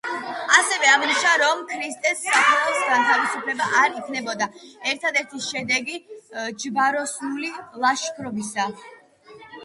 ასევე აღნიშნა, რომ ქრისტეს საფლავის გათავისუფლება არ იქნებოდა ერთადერთი შედეგი ჯვაროსნული ლაშქრობისა.